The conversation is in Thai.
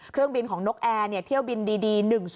เครื่องบินของนกแอร์เที่ยวบินดี๑๐